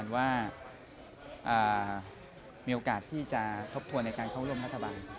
ว่ามีโอกาสที่จะทบทวนในการเข้าร่วมรัฐบาล